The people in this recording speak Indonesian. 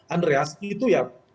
andreas itu ya